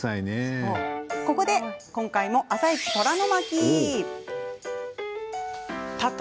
ここで、あさイチ虎の巻。